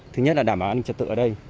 thứ nhất là đảm bảo an ninh trật tự ở đây